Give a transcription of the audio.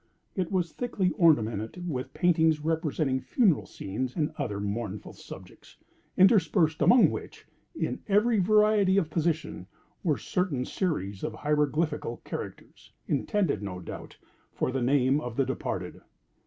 It was thickly ornamented with paintings, representing funeral scenes, and other mournful subjects—interspersed among which, in every variety of position, were certain series of hieroglyphical characters, intended, no doubt, for the name of the departed.